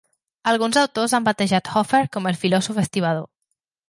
Alguns autors han batejat Hoffer com "el filòsof estibador".